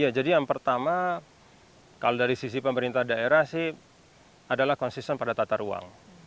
ya jadi yang pertama kalau dari sisi pemerintah daerah sih adalah konsisten pada tata ruang